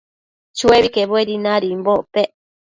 Chuebi quebuedi nadimbocpec